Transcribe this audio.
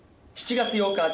７月８日